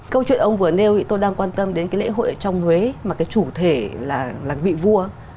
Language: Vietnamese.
câu chuyện ông vừa nêu thì tôi đang quan tâm đến cái lễ hội ở trong huế mà cái chủ thể là vị vua